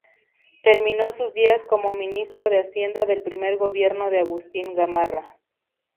Terminó sus días como ministro de Hacienda del primer gobierno de Agustín Gamarra.